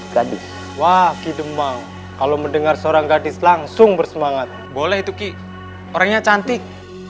gadis wakidemang kalau mendengar seorang gadis langsung bersemangat boleh itu ki orangnya cantik